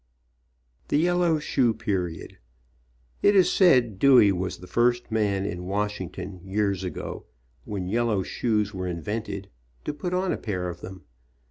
THE YELLOW SHOE PERIOD. It is said Dewey was the first man in Wash ington, years ago, when yellow shoes were in vented, to put on a pair of them.